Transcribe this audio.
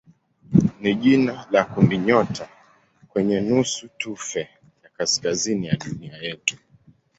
ni jina la kundinyota kwenye nusutufe ya kaskazini ya dunia yetu.